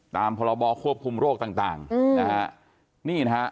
พรบควบคุมโรคต่างต่างอืมนะฮะนี่นะฮะ